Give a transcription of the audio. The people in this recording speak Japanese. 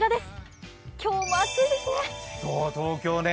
今日も暑いですね。